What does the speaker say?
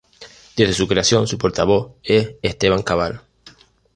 Desde su creación, su portavoz es Esteban Cabal.